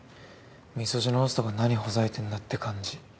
みそじのホストが何ほざいてんだって感じ。